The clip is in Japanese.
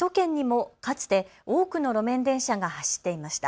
首都圏にもかつて多くの路面電車が走っていました。